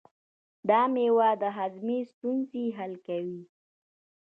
دا مېوه د هاضمې ستونزې حل کوي.